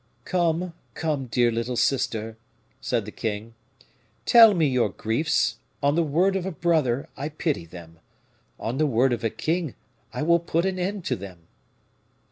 "Come, come, dear little sister," said the king, "tell me your griefs; on the word of a brother, I pity them; on the word of a king, I will put an end to them."